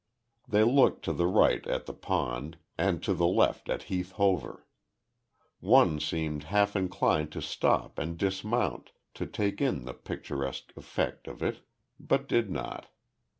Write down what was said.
They looked to the right at the pond, and to the left at Heath Hover. One seemed half inclined to stop and dismount to take in the picturesque effect of it, but did not.